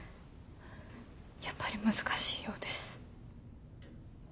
やっぱり難しいようです。